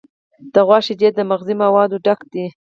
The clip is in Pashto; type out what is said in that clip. د غوا شیدې د مغذي موادو ډک دي.